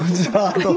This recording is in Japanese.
どうも。